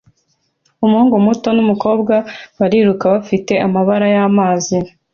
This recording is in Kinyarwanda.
Umuhungu muto numukobwa biruka bafite amababa yamazi